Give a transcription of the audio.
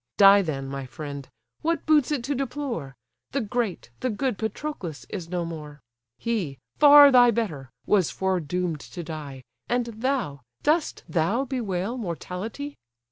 Die then, my friend! what boots it to deplore? The great, the good Patroclus is no more! He, far thy better, was foredoom'd to die, And thou, dost thou bewail mortality?